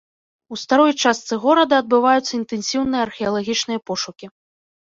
У старой частцы горада адбываюцца інтэнсіўныя археалагічныя пошукі.